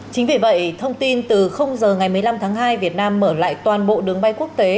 chính vì vậy thông tin từ h ngày một mươi năm tháng hai việt nam mở lại toàn bộ đường bay quốc tế